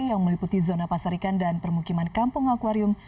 yang meliputi zona pasar ikan dan permukiman kampung akwarium